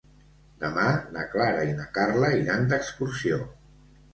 Demà na Clara i na Carla iran d'excursió.